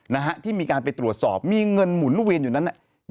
นะฮะที่มีการไปตรวจสอบมีเงินหมุนเวียนอยู่นั้นน่ะ